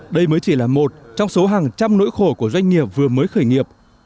đây mới chỉ là một trong số hàng trăm nỗi khổ của doanh nghiệp vừa mới khởi nghiệp